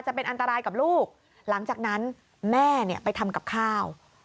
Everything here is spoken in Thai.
จะเป็นอันตรายกับลูกหลังจากนั้นแม่เนี่ยไปทำกับข้าว